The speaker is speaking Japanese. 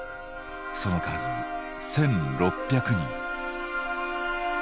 その数１，６００人。